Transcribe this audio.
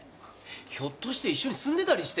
ひょっとして一緒に住んでたりして！